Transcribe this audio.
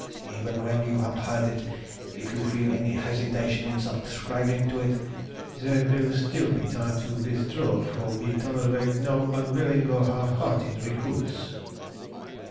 Even when you have heard it, if you feel any hesitation in subscribing to it, there will still be time to withdraw, for we tolerate no unwilling or half hearted recruits."